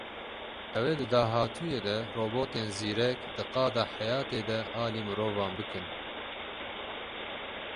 Ew ê di dahatûyê de robotên zîrek di qada heyatê de alî mirovan bikin.